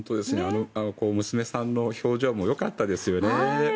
娘さんの表情もよかったですよね。